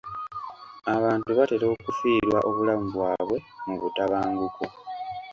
Abantu batera okufiirwa obulamu bwabwe mu butabanguko.